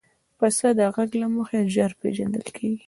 پسه د غږ له مخې ژر پېژندل کېږي.